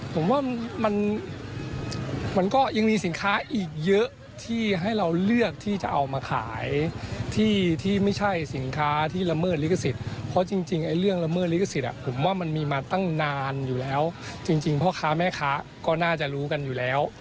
ผมว่ามันมันก็ยังมีสินค้าอีกเยอะที่ให้เราเลือกที่จะเอามาขายที่ที่ไม่ใช่สินค้าที่ละเมิดลิขสิทธิ์เพราะจริงไอ้เรื่องละเมิดลิขสิทธิ์ผมว่ามันมีมาตั้งนานอยู่แล้วจริงพ่อค้าแม่ค้าก็น่าจะรู้กันอยู่แล้ว